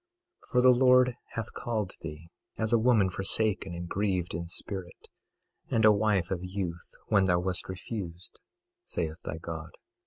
22:6 For the Lord hath called thee as a woman forsaken and grieved in spirit, and a wife of youth, when thou wast refused, saith thy God.